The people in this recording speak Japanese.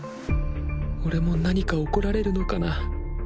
俺も何か怒られるのかな